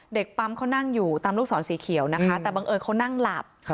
เด็กปั๊มเขานั่งอยู่ตามลูกศรสีเขียวนะคะแต่บังเอิญเขานั่งหลับ